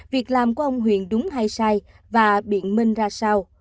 việc làm của ông huyền đúng hay sai và biện minh ra sao